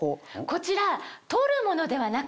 こちら。